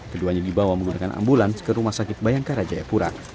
keduanya dibawa menggunakan ambulans ke rumah sakit bayangkara jayapura